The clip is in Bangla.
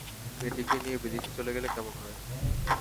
মেয়েটিকে নিয়ে বিদেশে চলে গেলে কেমন হয়?